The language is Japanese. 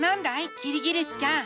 キリギリスちゃん。